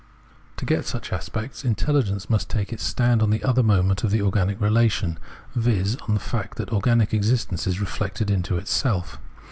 To get such aspects, intelligence must take its stand on the other moment of the organic relation, viz. on the fact that organic existence is reflected into itself.